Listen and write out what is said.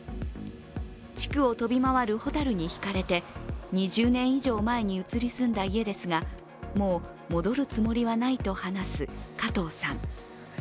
地区を飛び回る蛍にひかれて２０年以上前に移り住んだ家ですがもう戻るつもりはないと話す加藤さん。